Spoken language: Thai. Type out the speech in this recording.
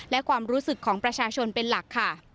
และความรู้สึกของประชาชนเป็นหลักค่ะ